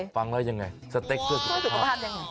ฟังแล้วยังไงสเต็กเสื้อสุขภาพยังไง